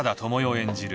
演じる